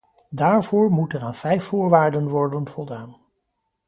Daarvoor moet er aan vijf voorwaarden worden voldaan.